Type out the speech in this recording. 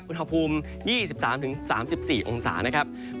อุณหภูมิ๒๓๓๔องศาเซลเซียต